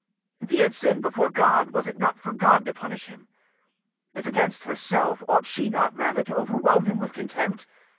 If he had sinned before God, was it not for God to punish him? If against herself, ought she not rather to overwhelm him with contempt?